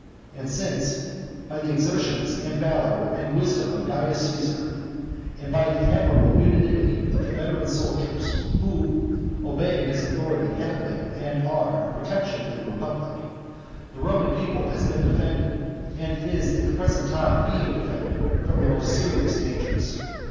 And since, by the exertions and valour and wisdom of Caius Caesar, and by the admirable unanimity of the veteran soldiers, who, obeying his authority, have been and are a protection to the republic, the Roman people has been defended, and is at this present time being defended, from the most serious dangers.